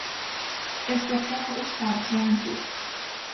استفراغ او سبزرنگ بود.